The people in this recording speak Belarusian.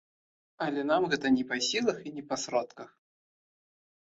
Але нам гэта не па сілах і не па сродках.